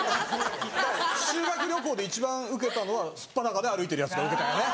修学旅行で一番ウケたのは素っ裸で歩いてるヤツがウケたよね。